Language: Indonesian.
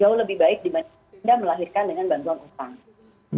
jauh lebih baik dibanding anda melahirkan dengan bantuan utang